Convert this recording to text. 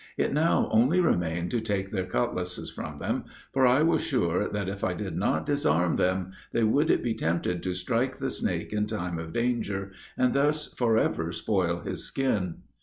It now only remained to take their cutlasses from them; for I was sure that if I did not disarm them, they would be tempted to strike the snake in time of danger, and thus forever spoil his skin.